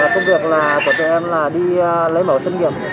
công việc của chúng em là đi lấy mẫu xét nghiệm